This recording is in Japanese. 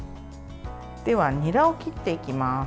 では、にらを切っていきます。